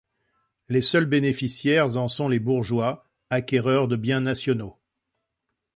Les seuls bénéficiaires en sont les bourgeois acquéreurs de biens nationaux.